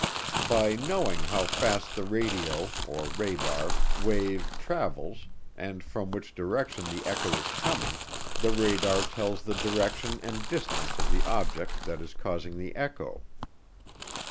By "knowing" how fast the radio, or radar, wave travels and from which direction the echo is coming, the radar tells the direction and distance of the object that is causing the echo.